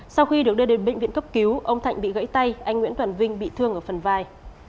sau khi được đưa đến bệnh viện cấp cứu ông thạnh bị gãy tay anh nguyễn toàn vinh bị thương ở phần vai